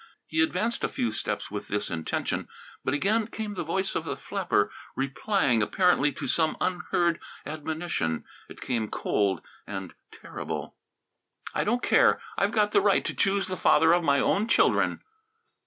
He advanced a few steps with this intention, but again came the voice of the flapper replying, apparently, to some unheard admonition. It came, cold and terrible. "I don't care. I've got the right to choose the father of my own children!"